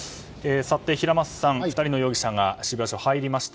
平松さん、２人の容疑者が渋谷署に入りました。